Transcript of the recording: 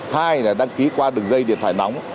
hai là đăng ký qua đường dây điện thoại nóng